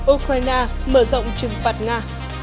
ukraine mở rộng trừng phạt nga